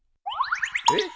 えっ！？